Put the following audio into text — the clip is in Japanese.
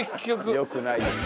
良くないです。